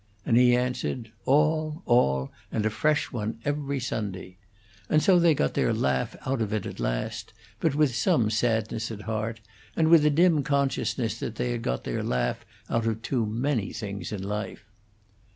and he answered: "All all! And a fresh one every Sunday." And so they got their laugh out of it at last, but with some sadness at heart, and with a dim consciousness that they had got their laugh out of too many things in life.